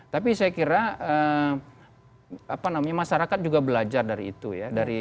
tapi saya kira masyarakat juga belajar dari itu ya